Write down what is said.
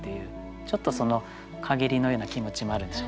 ちょっと陰りのような気持ちもあるんでしょうかね。